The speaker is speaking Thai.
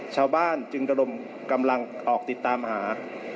ชาวบ้านจึงระดมกำลังออกติดตามหา